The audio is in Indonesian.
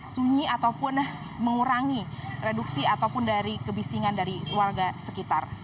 sunyi ataupun mengurangi reduksi ataupun dari kebisingan dari warga sekitar